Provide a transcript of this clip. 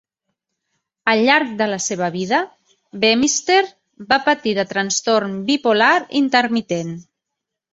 Al llarg de la seva vida, Bemister va patir de trastorn bipolar intermitent.